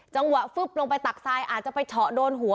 จังหวะฟึ๊บลงไปตักทรายอาจจะไปเฉาะโดนหัว